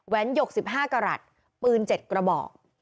หยก๑๕กรัฐปืน๗กระบอก